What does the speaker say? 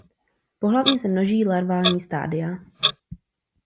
Pohlavně se množí larvální stádia.